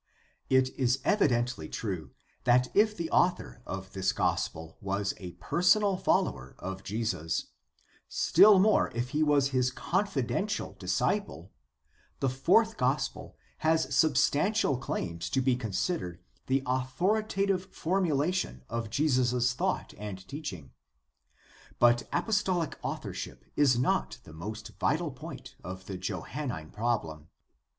It is evidently true that if the author of this gospel was a personal follower of Jesus, still more if he was his confidential disciple, the Fourth Gospel has substantial claims to be con sidered the authoritative formulation of Jesus' thought and teaching. But apostohc authorship is not the most vital point of the Johannine problen.